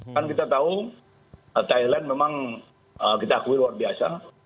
kan kita tahu thailand memang kita akui luar biasa